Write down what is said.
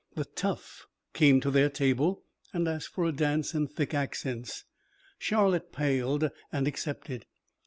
The "tough" came to their table and asked for a dance in thick accents. Charlotte paled and accepted.